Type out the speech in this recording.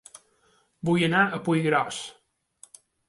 Vull anar a Puiggròs